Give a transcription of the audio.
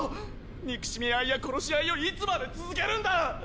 憎しみ合いや殺し合いをいつまで続けるんだ！